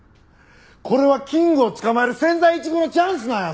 これはキングを捕まえる千載一遇のチャンスなんやぞ！